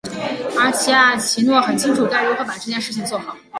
而吉亚奇诺很清楚该如何把这件事做好。